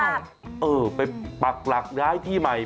เออไปปักหลักย้ายที่ใหม่